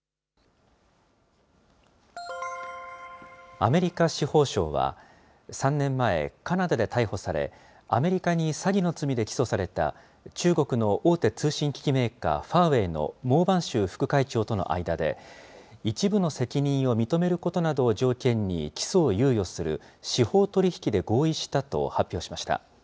アメリカ司法省は、３年前、カナダで逮捕され、アメリカに詐欺の罪で起訴された、中国の大手通信機器メーカー、ファーウェイの孟晩舟副会長との間で、一部の責任を認めることなどを条件に起訴を猶予する、司法取引で合意したと発表しました。